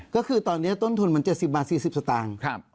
ก็คือตอนนี้ต้นทุนมัน๗๐บาท๔๐สตางค์